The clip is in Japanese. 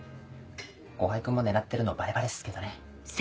後輩君も狙ってるのバレバレっすけどね。